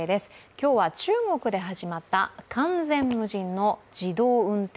今日は中国で始まった完全無人自動運転